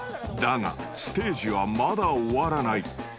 ［だがステージはまだ終わらない］